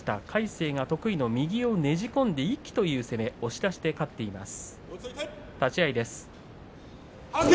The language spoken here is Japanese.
魁聖が得意の右をねじ込んで一気という攻め押し出しで勝っています。